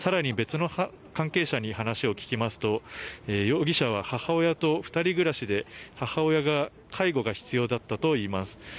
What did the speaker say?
更に別の関係者に話を聞きますと容疑者は母親と２人暮らしで母親が介護が必要だったといいます。